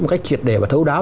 một cách triệt đề và thấu đáo